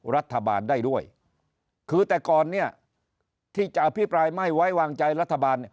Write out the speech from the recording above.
รัฐบาลได้ด้วยคือแต่ก่อนเนี่ยที่จะอภิปรายไม่ไว้วางใจรัฐบาล